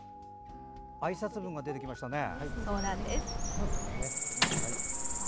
あいさつ文が出てきましたね。